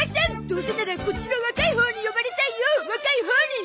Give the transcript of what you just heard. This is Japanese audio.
どうせならこっちの若いほうに呼ばれたいよ若いほうに！